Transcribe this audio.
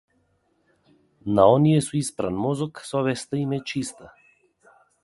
На оние со испран мозок совеста им е чиста.